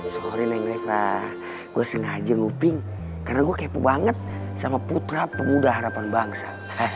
sorry neng nengah gue sengaja nguping karena gue kepo banget sama putra pemuda harapan bangsa